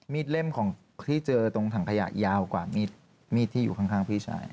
เล่มของที่เจอตรงถังขยะยาวกว่ามีดที่อยู่ข้างพี่ชาย